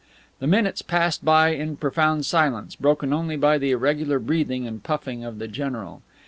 The minutes passed by in profound silence, broken only by the irregular breathing and puffing of the general.